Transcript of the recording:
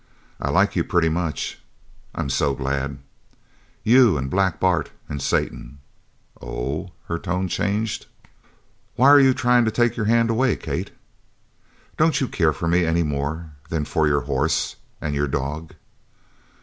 "I like you pretty much." "I'm so glad!" "You an' Black Bart, an' Satan " "Oh!" Her tone changed. "Why are you tryin' to take your hand away, Kate?" "Don't you care for me any more than for your horse and your dog?"